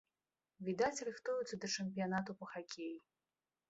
Відаць, рыхтуюцца да чэмпіянату па хакеі.